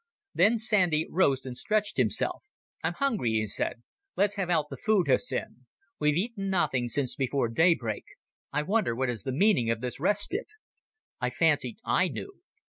Then Sandy rose and stretched himself. "I'm hungry," he said. "Let's have out the food, Hussin. We've eaten nothing since before daybreak. I wonder what is the meaning of this respite?" I fancied I knew.